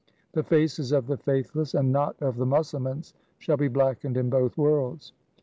The faces of the faithless and not of the Musalmans shall be blackened in both worlds.